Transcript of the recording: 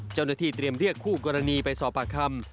เจ้าหน้าที่เตรียมเรียกคู่กรณีไปสอบปากคำ